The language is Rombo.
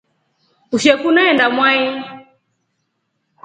Usheku neenda mwai.